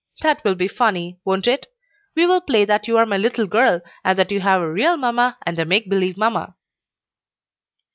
That will be funny, won't it? We will play that you are my little girl, and that you have a real mamma and a make believe mamma."